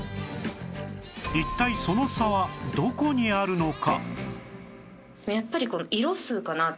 一体その差はどこにあるのか？